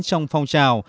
trong phong trào